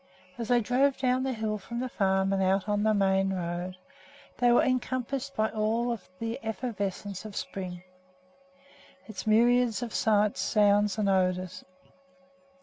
As they drove down the hill from the farm and out on the main road, they were encompassed by all the effervescence of the spring, its myriads of sights, sounds, and odors.